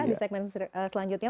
di segmen selanjutnya